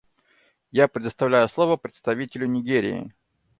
Я предоставляю слово представителю Нигерии.